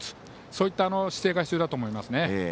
そういった姿勢が必要だと思いますね。